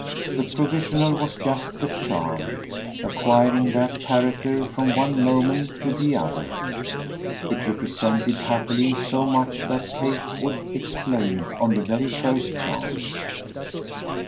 The provisional was just the charm acquiring that character from one moment to the other; it represented happily so much that Kate would explain on the very first chance.